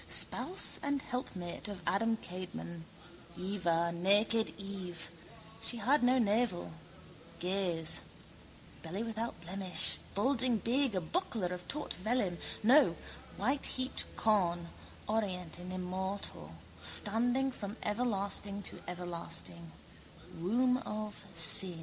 Spouse and helpmate of Adam Kadmon: Heva, naked Eve. She had no navel. Gaze. Belly without blemish, bulging big, a buckler of taut vellum, no, whiteheaped corn, orient and immortal, standing from everlasting to everlasting.